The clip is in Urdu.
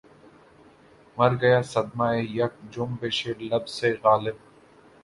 مرگیا صدمہٴ یک جنبشِ لب سے غالب